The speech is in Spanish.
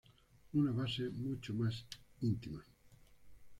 Una base mucho más íntimo.